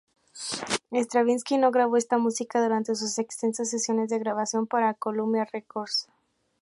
Stravinski no grabó esta música durante sus extensas sesiones de grabación para Columbia Records.